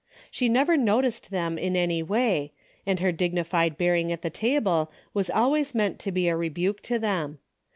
She never noticed them in any way, and her dignified bearing at the table was always meant to be a rebuke to them.